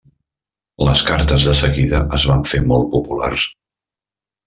Les cartes de seguida es van fer molt populars.